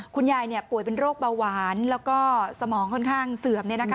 ป่วยเป็นโรคเบาหวานแล้วก็สมองค่อนข้างเสื่อม